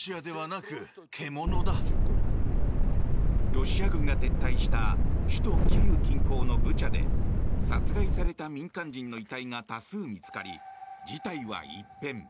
ロシア軍が撤退した首都キーウ近郊のブチャで殺害された民間人の遺体が多数見つかり事態は一変。